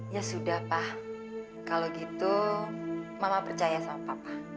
ya sudah pak kalau gitu mama percaya sama papa